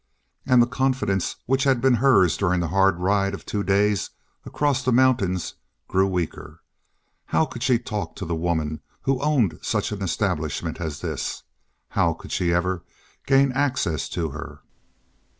And the confidence which had been hers during the hard ride of two days across the mountains grew weaker. How could she talk to the woman who owned such an establishment as this? How could she even gain access to her?